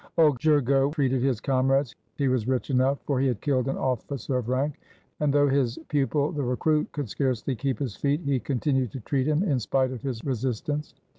Old Gergo treated his comrades. He was rich enough — for he had killed an officer of rank ; and though his pupil the recruit could scarcely keep his feet, he con tinued to treat him in spite of his resistance.